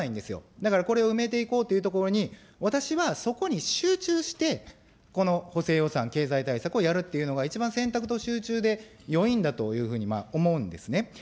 だから、これを埋めていこうというところに、私はそこに集中してこの補正予算、経済対策をやるっていうのが、一番選択と集中でよいんだというふうに思うんですね。